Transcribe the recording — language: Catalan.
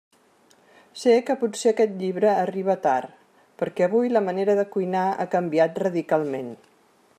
Sé que potser aquest llibre arriba tard, perquè avui la manera de cuinar ha canviat radicalment.